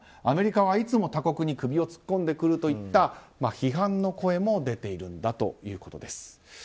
アメリカはいつも他国に首を突っ込んでくるといった批判の声も出ているんだということです。